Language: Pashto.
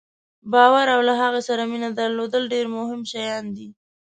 باور او له هغه سره مینه درلودل ډېر مهم شیان دي.